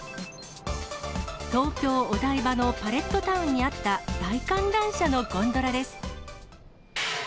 東京・お台場のパレットタウンにあった大観覧車のゴンドラです。